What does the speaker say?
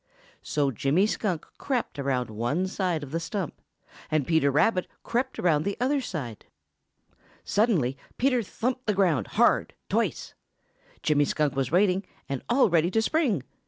So Jimmy Skunk crept around one side of the stump, and Peter Rabbit crept around the other side. Suddenly Peter thumped the ground hard, twice. Jimmy Skunk was waiting and all ready to spring.